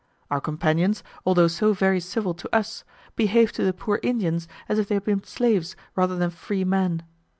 Our companions, although so very civil to us, behaved to the poor Indians as if they had been slaves, rather than free men.